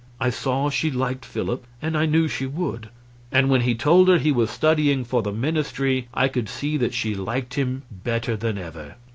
I saw she liked Philip, and I knew she would. And when he told her he was studying for the ministry I could see that she liked him better than ever.